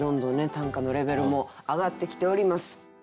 短歌のレベルも上がってきております。